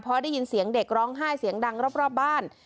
พอได้ยินเสียงเด็กร้องไห้เสียงดังรอบบ้าน